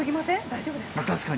大丈夫ですか。